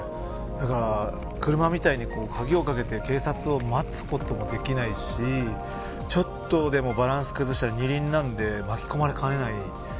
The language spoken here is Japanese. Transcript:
車みたいに鍵をかけて警察を待つこともできないしちょっとでもバランスを崩したら２輪なんで巻き込まれかねない。